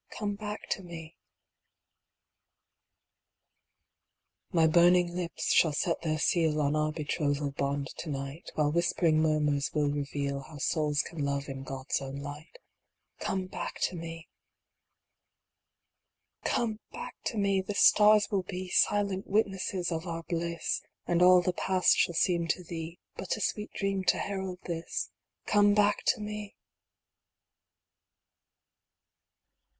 Come back to me 1 My burning lips shall set their seal On our betrothal bond to night, While whispering murmurs will reveal How souls can love in God s own light Come back to me I Come back to me ! The stars will be Silent witnesses of our bliss, And all the past shall seem to thee But a sweet dream to herald this ! Come back to me